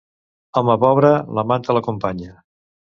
Home pobre, la manta l'acompanya.